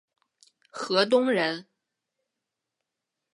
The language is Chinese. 河东人。